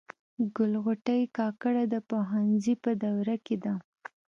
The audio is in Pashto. ګل غوټۍ کاکړه د پوهنځي په دوره کي ده.